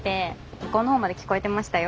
向こうのほうまで聞こえてましたよ。